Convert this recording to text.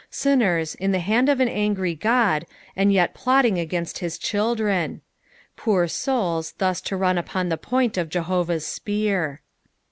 Sinners, in the hand of an angry God, and yet plotting against bis children 1 Poor souls, thus to run upon the point of Jehovah's spear.